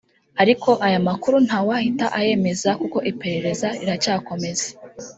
ariko aya makuru ntawahita ayemeza kuko iperereza riracyakomeza